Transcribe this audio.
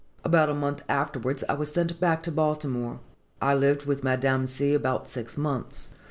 About a month afterwards, I was sent back to Baltimore. I lived with Madame C. about six months.